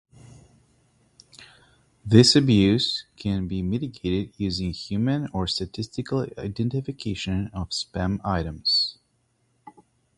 This abuse can be mitigated using human or statistical identification of spam items.